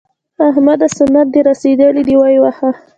احمده! سنت دې رسېدلي دي؛ ویې وهه.